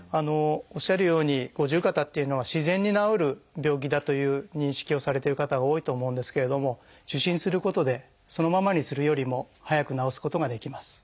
おっしゃるように五十肩っていうのは自然に治る病気だという認識をされてる方が多いと思うんですけれども受診することでそのままにするよりも早く治すことができます。